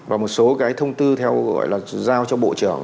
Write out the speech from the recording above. và một số thông tư giao cho bộ trưởng